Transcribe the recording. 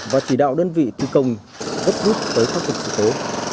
và chỉ đạo đơn vị tù công góp rút tới khắc phục sự cố